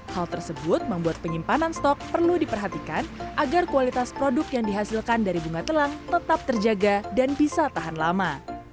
hal tersebut membuat penyimpanan stok perlu diperhatikan agar kualitas produk yang dihasilkan dari bunga telang tetap terjaga dan bisa tahan lama